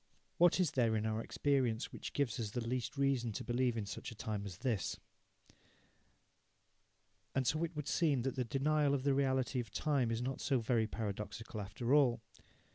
What is there in our experience which gives us the least reason to believe in such a time as this? And so it would seem that the denial of the reality of time is not so very paradoxical after all.